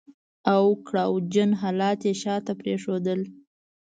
او کړاو جن حالات يې شاته پرېښودل.